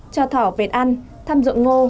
cho thỏ vệt ăn thăm dụng ngô